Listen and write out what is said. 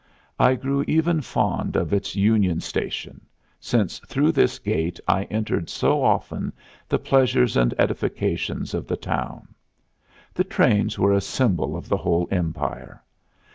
I grew even fond of its Union Station, since through this gate I entered so often the pleasures and edifications of the town. The trains were a symbol of the whole Empire.